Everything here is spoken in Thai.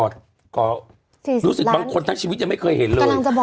รู้สึกบางคนทั้งชีวิตยังไม่เคยเห็นเลย